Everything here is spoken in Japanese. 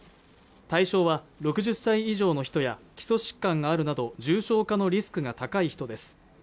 対象は６０歳以上の人や基礎疾患があるなど重症化のリスクが高い人です